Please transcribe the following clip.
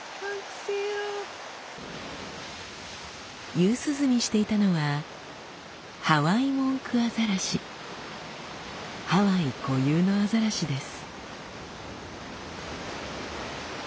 夕涼みしていたのはハワイ固有のアザラシです。